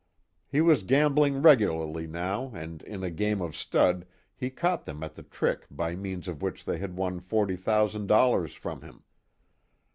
He was gambling regularly now, and in a game of stud he caught them at the trick by means of which they had won forty thousand dollars from him.